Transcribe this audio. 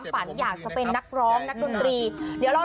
แต่อุ๊าร์กแล้วเมื่อกี้